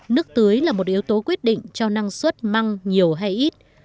nước tưới là một yếu tố quyết định cho năng suất măng nhiều hay ít